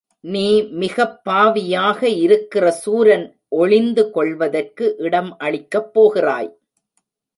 நீ மிகப் பாவியாக இருக்கிற சூரன் ஒளிந்து கொள்வதற்கு இடம் அளிக்கப் போகிறாய்.